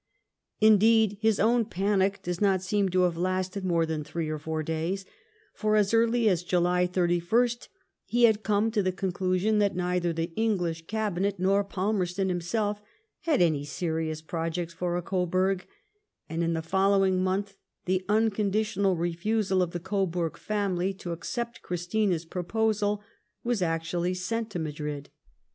Indeed, his own panic does not seem to have lasted more than three or four days ; for as early as July 81st he had come to the conclusion that neither the English Cabinet nor Palmerston himself had any serious projects for a Coburg, and in the following month the unconditional refusal of the Coburg family to accept Christina's proposal was actually sent to Madrid.